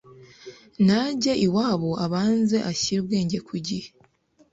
najye iwabo abanze ashyire ubwenge ku gihe.”